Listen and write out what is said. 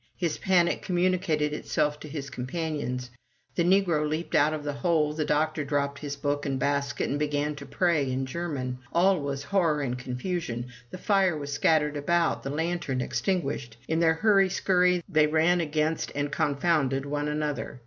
His panic communicated itself to his companions. The negro leaped out of the hole; the doctor dropped his book and basket, and began to pray in German. All was horror and confusion. The fire was scattered about, the lantern extinguished. In their hurry scurry they ran against and confounded one another.